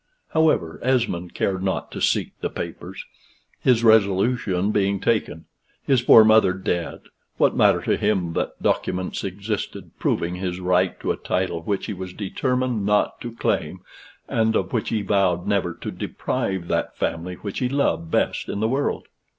However, Esmond cared not to seek the papers. His resolution being taken; his poor mother dead; what matter to him that documents existed proving his right to a title which he was determined not to claim, and of which he vowed never to deprive that family which he loved best in the world?